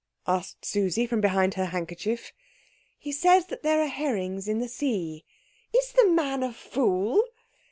asked Susie from behind her handkerchief. "He says there are herrings in the sea." "Is the man a fool?"